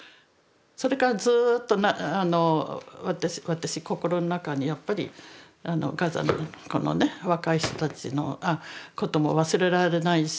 それからずっと私心の中にやっぱりガザのこのね若い人たちのことも忘れられないし。